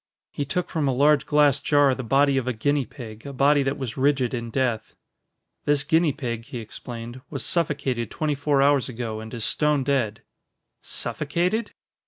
He took from a large glass jar the body of a guinea pig, a body that was rigid in death. "This guinea pig," he explained, "was suffocated twenty four hours ago and is stone dead." "Suffocated?"